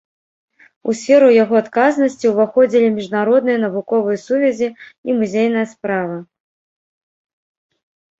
У сферу яго адказнасці ўваходзілі міжнародныя навуковыя сувязі і музейная справа.